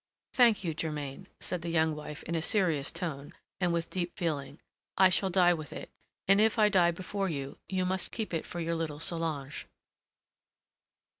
"Thank you, Germain," said the young wife in a serious tone and with deep feeling. "I shall die with it, and if I die before you, you must keep it for your little Solange."